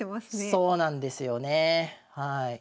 そうなんですよねはい。